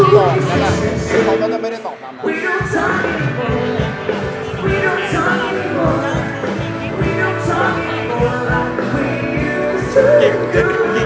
ตอนนั้นน่ะผมก็จะไม่ได้ตอบนั้นน่ะ